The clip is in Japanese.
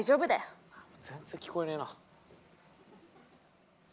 全然聞こえねえな。